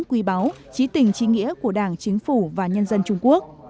quy báo trí tình trí nghĩa của đảng chính phủ và nhân dân trung quốc